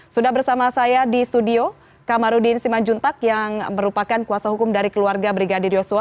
sudah bersama saya di studio kamarudin simanjuntak yang merupakan kuasa hukum dari keluarga brigadir yosua